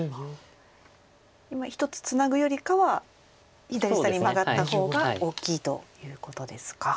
今１つツナぐよりかは左下にマガった方が大きいということですか。